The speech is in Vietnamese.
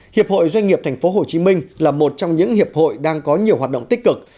hiệp hội doanh nghiệp tp hcm là một trong những hiệp hội đang có nhiều hoạt động tích cực